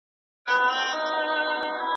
ایا استاد د شاګرد املا او انشا سموي؟